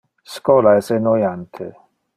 Schola es enoiante.